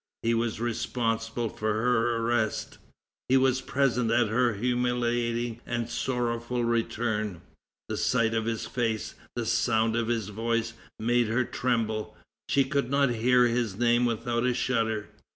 He was responsible for her arrest; he was present at her humiliating and sorrowful return; the sight of his face, the sound of his voice, made her tremble; she could not hear his name without a shudder.